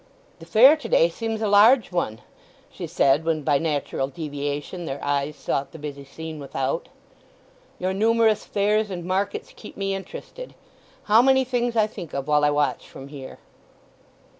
"The fair to day seems a large one," she said when, by natural deviation, their eyes sought the busy scene without. "Your numerous fairs and markets keep me interested. How many things I think of while I watch from here!"